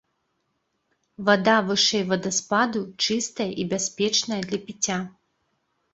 Вада вышэй вадаспаду чыстая і бяспечная для піцця.